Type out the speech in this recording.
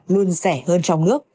luôn rẻ hơn trong nước